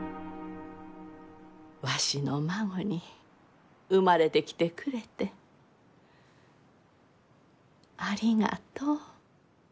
わしの孫に生まれてきてくれてありがとう。